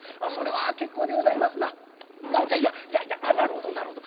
「いやいやいやなるほどなるほど。